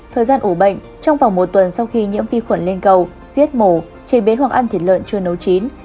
thời gian ủ bệnh trong vòng một tuần sau khi nhiễm vi khuẩn lên cầu giết mổ chế biến hoặc ăn thịt lợn chưa nấu chín